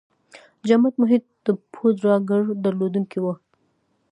جامد محیط د پوډراګر درلودونکی وي.